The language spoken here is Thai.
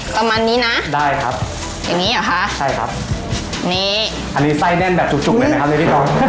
ประมาณนี้นะอย่างนี้หรอครับนี่อันนี้ไส้แน่นแบบจุกเลยไหมครับพี่เป๊ตอง